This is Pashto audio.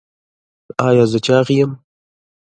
ایا زه چاغ یم؟